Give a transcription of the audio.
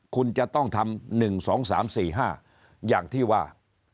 คุณจะต้องทำ๑๒๓๔๕อย่างที่ว่า